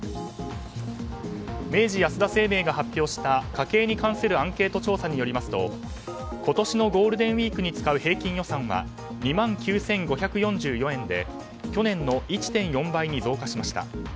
明治安田生命が発表した家計に関するアンケート調査によりますと今年のゴールデンウィークに使う平均予算は２万９５４４円で去年の１．４倍に増加しました。